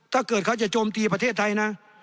ถ้าเกิดเขาจะโจมตีประเทศไทยนะ